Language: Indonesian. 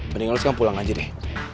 mending lo sekarang pulang aja deh